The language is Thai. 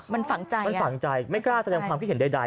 มันฝังใจไม่กล้าแสดงความคิดเห็นใด